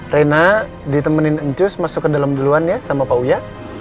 reina ditemenin cus masuk ke dalam duluan ya sama pak uya